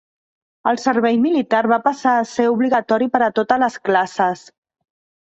El servei militar va passar a ser obligatori per a totes les classes.